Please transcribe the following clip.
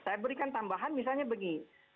saya berikan tambahan misalnya begini